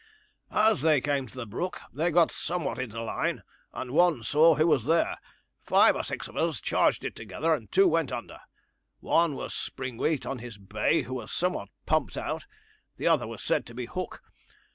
'As they came to the brook they got somewhat into line, and one saw who was there. Five or six of us charged it together, and two went under. One was Springwheat on his bay, who was somewhat pumped out; the other was said to be Hook.